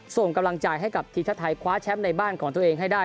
ส่งกำลังใจให้กับทีมชาติไทยคว้าแชมป์ในบ้านของตัวเองให้ได้